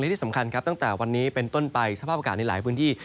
ที่สำคัญครับตั้งแต่วันนี้เป็นต้นไปสภาพอากาศในหลายพื้นที่